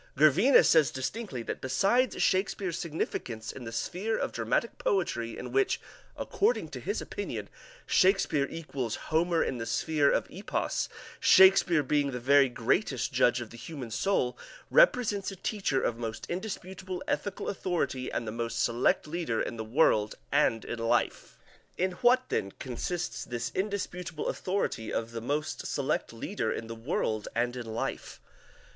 Gervinus says distinctly that besides Shakespeare's significance in the sphere of dramatic poetry in which, according to his opinion, Shakespeare equals "Homer in the sphere of Epos, Shakespeare being the very greatest judge of the human soul, represents a teacher of most indisputable ethical authority and the most select leader in the world and in life." In what, then, consists this indisputable authority of the most select leader in the world and in life?